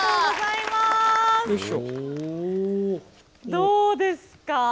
どうですか？